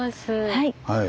はい。